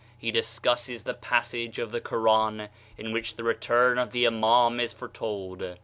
He discusses the passage of the Koran in which the return of the Imaum is foretold.